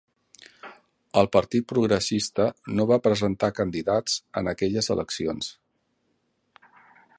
El Partit Progressista no va presentar candidats en aquelles eleccions.